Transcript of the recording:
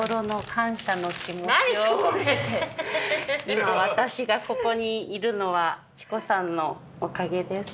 今私がここにいるのは智子さんのおかげです。